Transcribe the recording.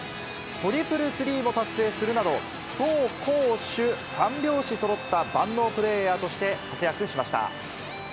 トリプルスリーも達成するなど、走攻守三拍子そろった万能プレーヤーとして活躍しました。